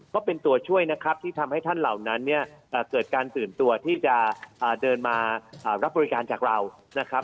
ก็เป็นตัวช่วยนะครับที่ทำให้ท่านเหล่านั้นเนี่ยเกิดการตื่นตัวที่จะเดินมารับบริการจากเรานะครับ